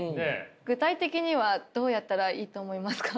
具体的にはどうやったらいいと思いますか？